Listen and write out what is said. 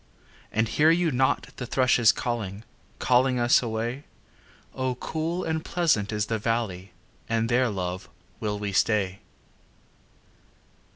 And hear you not the thrushes calling, Calling us away? O cool and pleasant is the valley And there, love, will we stay.